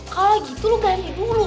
kalau gitu lo ganti dulu